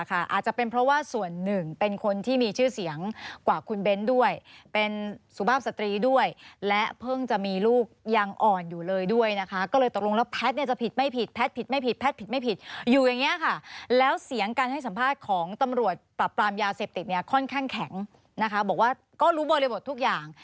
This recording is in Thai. ค่อนข้างแข็งนะคะบอกว่าก็รู้บริบททุกอย่าง